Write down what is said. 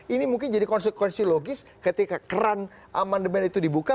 ini mungkin jadi konsekuensi logis ketika keran amandemen itu dibuka